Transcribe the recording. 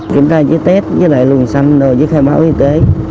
kiểm tra với test với lại luồng xanh với khai báo y tế